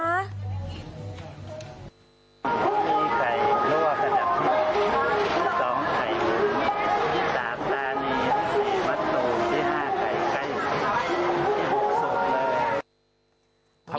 ๑ไข่รั่วสำหรับพี่๒ไข่มือ๓ตานี๔บัตรูที่๕ไข่ใกล้บุกสุดเลย